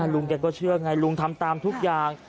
ลุงแกก็เชื่อไงลุงทำตามทุกอย่าง